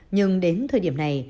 nhưng đến thời điểm này